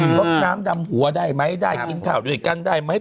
ลดน้ำดำหัวได้ไหมได้กินข้าวด้วยกันได้ไหม